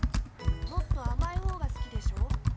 もっとあまいほうがすきでしょ？